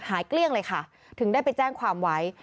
เกลี้ยงเลยค่ะถึงได้ไปแจ้งความไว้